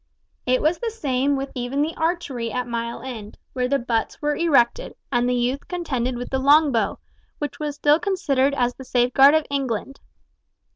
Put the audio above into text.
It was the same with even the archery at Mile End, where the butts were erected, and the youth contended with the long bow, which was still considered as the safeguard of England.